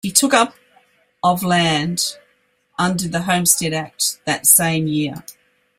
He took up of land under the homestead act that same year.